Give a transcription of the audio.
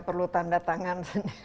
gak perlu tanda tangan